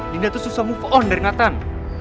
dina tuh susah move on dari nathan